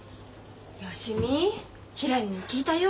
芳美ひらりに聞いたよ